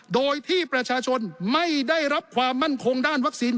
โดยที่ประชาชนไม่ได้รับความมั่นคงด้านวัคซีน